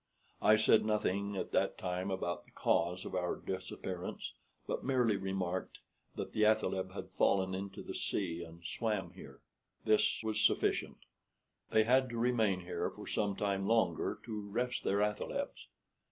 I said nothing at that time about the cause of our disappearance, but merely remarked that the athaleb had fallen into the sea and swam here. This was sufficient. They had to remain here for some time longer to rest their athalebs.